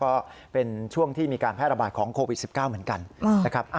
ก็เป็นช่วงที่มีการแพร่ระบาดของโควิด๑๙เหมือนกันนะครับ